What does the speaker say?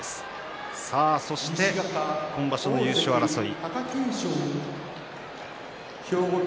さあ、そして今場所の優勝争い。